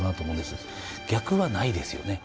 逆はないですよね。